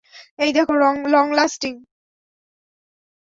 এই দেখো, long lasting.